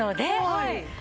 はい。